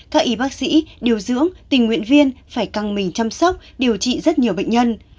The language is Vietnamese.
các y bác sĩ điều dưỡng tình nguyện viên phải căng mình chăm sóc điều trị rất nhiều bệnh nhân